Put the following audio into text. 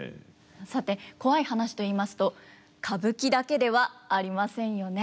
さてコワい話といいますと歌舞伎だけではありませんよね。